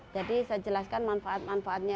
jadi saya jelaskan manfaat manfaatnya